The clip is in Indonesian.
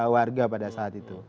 warga pada saat itu